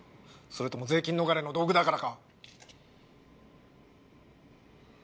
それとも税金逃れの道具だからか？